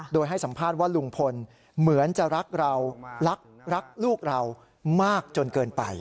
โดยให้สัมภาษณ์ว่าลุงพลเหมือนจะรักเรารักรักลูกเรามากจนเกินไป